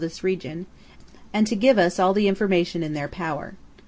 291 this region, and to give us all the information in their power.